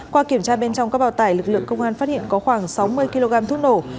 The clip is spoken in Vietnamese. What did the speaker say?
qua kiểm tra bên trong các bào tải lực lượng công an phát hiện có khoảng sáu mươi kg thuốc nổ